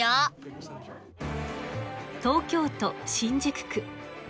東京都新宿区。